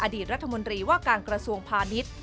อดีตรัฐมนตรีว่าการกระทรวงพาณิชย์